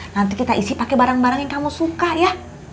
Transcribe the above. nanti kita isi pakai barang barang yang kamu suka ya